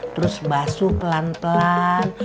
terus basuh pelan pelan